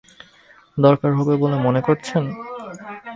দরকার হবে বলে মনে করছেন?